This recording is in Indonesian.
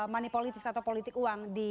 money politics atau politik uang